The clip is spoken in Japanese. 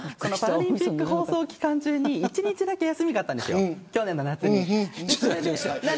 オリンピック期間中に１日だけ休みがあったんです、去年の夏。